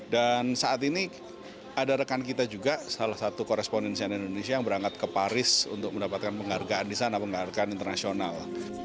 dan saat ini ada rekan kita juga salah satu korespondensi cnn indonesia yang berangkat ke paris untuk mendapatkan penghargaan di sana penghargaan internasional